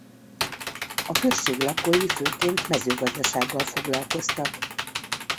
A község lakói főként mezőgazdasággal foglalkoztak.